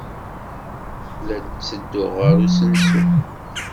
La d-ttedduɣ ɣer usensu.